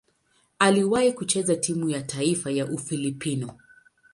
Aliwahi kucheza timu ya taifa ya Ufilipino.